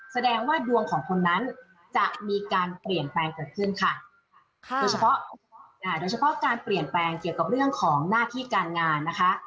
แสดงว่าดวงของคนนั้นจะมีการเปลี่ยนแปลงเกิดขึ้นค่ะโดยเฉพาะโดยเฉพาะการเปลี่ยนแปลงเกี่ยวกับเรื่องของหน้าที่การงานนะคะ